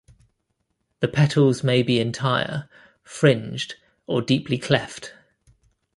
The petals may be entire, fringed or deeply cleft.